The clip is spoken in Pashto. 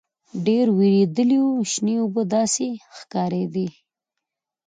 ډېر وېردلي وو شنې اوبه داسې ښکارېدې.